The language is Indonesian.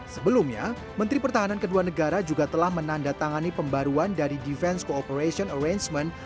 sebelumnya menteri pertahanan kedua negara juga telah menandatangani pembaruan dari defense cooperation arrangement